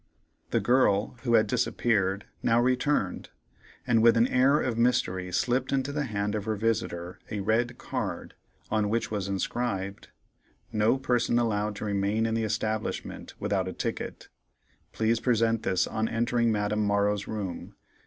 The girl, who had disappeared, now returned, and with an air of mystery slipped into the hand of her visitor a red card, on which was inscribed: ++ |No Person allowed to remain in the Establishment | |without a ticket. Please present this on entering| |Madame Morrow's room.